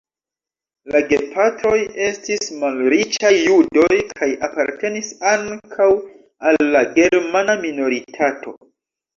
La gepatroj estis malriĉaj judoj kaj apartenis ankaŭ al la germana minoritato.